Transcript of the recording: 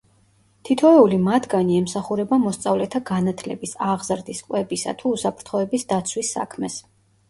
თითოეული მათგანი ემსახურება მოსწავლეთა განათლების, აღზრდის, კვებისა, თუ უსაფრთხოების დაცვის საქმეს.